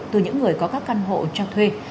từ những người có các căn hộ cho thuê